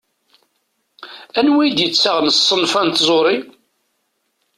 Anwa i d-yettaɣen ṣṣenf-a n tẓuṛi?